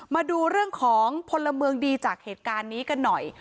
มาดูเรื่องของพลเมืองดีจากเหตุการณ์นี้กันหน่อย